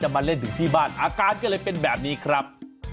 มาเล่นถึงที่บ้านอาการก็เลยเป็นแบบนี้ครับ